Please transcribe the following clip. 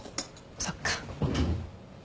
そっか。